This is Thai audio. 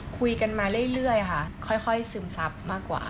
คุยกันมาเรื่อยค่ะค่อยซึมซับมากกว่า